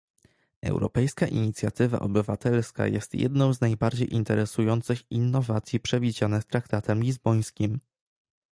Europejska inicjatywa obywatelska jest jedną z najbardziej interesujących innowacji przewidzianych traktatem lizbońskim